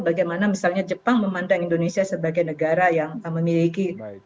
bagaimana misalnya jepang memandang indonesia sebagai negara yang memiliki